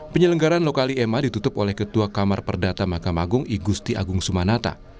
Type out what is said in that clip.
penyelenggaran lokali ema ditutup oleh ketua kamar perdata mahkamah agung igusti agung sumanata